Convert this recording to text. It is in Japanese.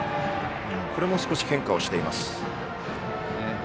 これも少し変化をしています。